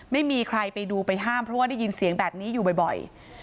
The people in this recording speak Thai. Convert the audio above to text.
ไม่มีใครไปดูไปห้ามเพราะว่าได้ยินเสียงแบบนี้อยู่บ่อย